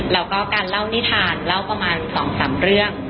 แล้วก็การเล่านิทานเล่าประมาณ๒๓เรื่อง